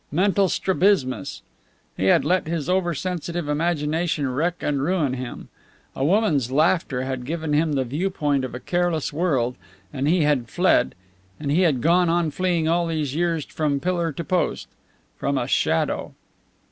Mental strabismus! He had let his over sensitive imagination wreck and ruin him. A woman's laughter had given him the viewpoint of a careless world; and he had fled, and he had gone on fleeing all these years from pillar to post. From a shadow!